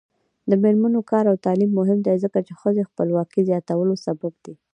د میرمنو کار او تعلیم مهم دی ځکه چې ښځو خپلواکۍ زیاتولو سبب دی.